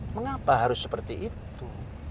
kenapa harus seperti itu